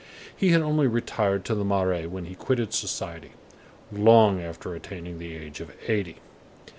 He had only retired to the Marais when he quitted society, long after attaining the age of eighty.